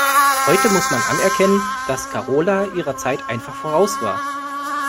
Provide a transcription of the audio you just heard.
Heute muss man anerkennen, dass Karola ihrer Zeit einfach voraus war.